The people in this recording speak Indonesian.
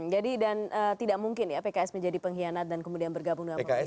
jadi dan tidak mungkin ya pks menjadi pengkhianat dan kemudian bergabung dengan pks